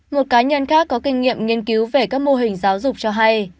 một cá nhân khác có kinh nghiệm nghiên cứu về các mô hình giáo dục cho hay